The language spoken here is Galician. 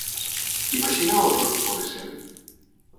¿Imaxina o horror que pode ser?